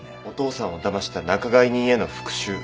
お父さんをだました仲買人への復讐。